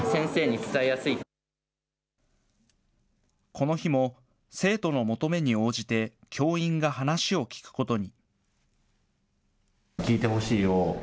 この日も、生徒の求めに応じて教員が話を聞くことに。